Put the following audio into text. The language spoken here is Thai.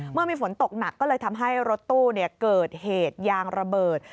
เมื่อมีฝนตกหนักก็เลยทำให้รถตู้เกิดเหตุยางระเบิด